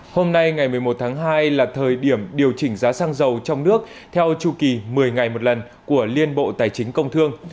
hôm nay ngày một mươi một tháng hai là thời điểm điều chỉnh giá xăng dầu trong nước theo chu kỳ một mươi ngày một lần của liên bộ tài chính công thương